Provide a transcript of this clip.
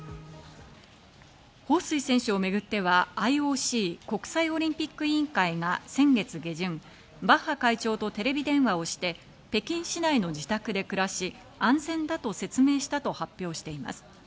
ホウ・スイ選手をめぐってはＩＯＣ＝国際オリンピック委員会が先月下旬、バッハ会長とテレビ電話をして、北京市内の自宅で暮らし安全だと説明したと発表しています。